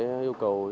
và gửi đến chủ sĩ